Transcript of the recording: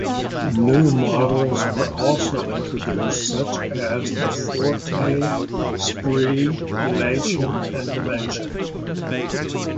New models were also introduced, such as the Forte, Spree, Elation and Dimension.